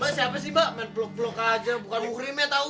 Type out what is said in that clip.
mbak siapa sih mbak main blok blok aja bukan ukrimnya tau